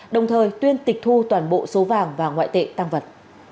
đồng thời tuyên tịch thu toàn bộ số vàng và ngoại tệ tăng vật